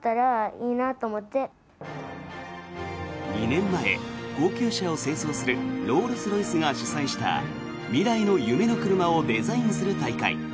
２年前、高級車を製造するロールス・ロイスが主催した未来の夢の車をデザインする大会。